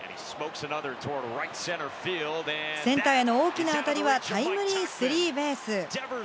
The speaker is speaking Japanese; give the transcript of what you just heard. センターへの大きな当たりは、タイムリースリーベース。